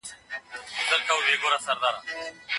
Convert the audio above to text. بايد د بيت المال سخته ساتنه وسي.